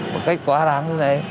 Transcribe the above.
một cách quá đáng như thế